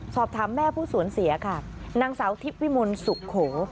สอบถามแม่ผู้สูญเสียค่ะนางสาวทิพย์วิมลสุโข